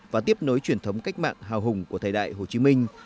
và tiếp nối truyền thống cách mạng hào hùng của thời đại hồ chí minh